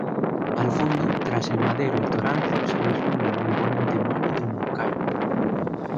Al fondo, tras el Madero y Toranzo se vislumbra la imponente mole del Moncayo.